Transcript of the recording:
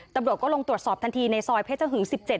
ตำรวจก็ลงตรวจสอบทันทีในซอยเพชรหึง๑๗